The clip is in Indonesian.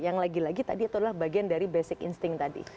yang lagi lagi tadi itu adalah bagian dari basic instinct tadi